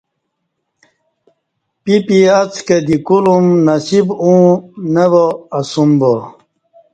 پی پی اڅ کہ دی کولوم نصیب اوں نہ وا اسوم با